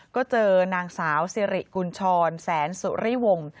ก็เจอนางสาวสิริกุญชรแสนสุริวงศ์